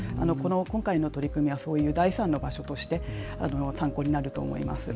今回の取り組みはそういう第三の場所として参考になると思います。